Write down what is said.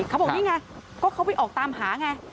เขาบอกนี่ไงก็เขาไปออกตามหาไง